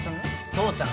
蒼ちゃん